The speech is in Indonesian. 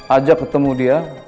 ajak ketemu dia